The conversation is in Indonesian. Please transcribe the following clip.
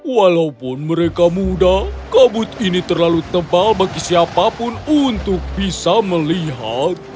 walaupun mereka muda kabut ini terlalu tebal bagi siapapun untuk bisa melihat